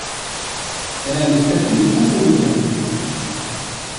Elle a le statut de conseil local.